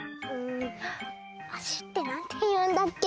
「足」ってなんていうんだっけ？